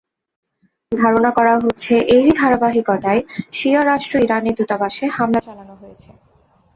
ধারণা করা হচ্ছে, এরই ধারাবাহিকতায় শিয়া রাষ্ট্র ইরানের দূতাবাসে হামলা চালানো হয়েছে।